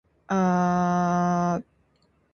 Dia meletakkan kuncinya di atas meja seperti biasa.